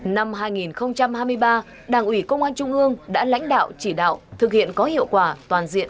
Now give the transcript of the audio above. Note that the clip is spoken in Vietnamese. năm hai nghìn hai mươi ba đảng ủy công an trung ương đã lãnh đạo chỉ đạo thực hiện có hiệu quả toàn diện